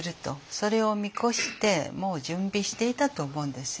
それを見越してもう準備していたと思うんですよ。